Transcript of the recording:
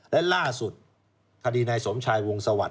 และล่าสุดคดีนายสมชายวงสวรร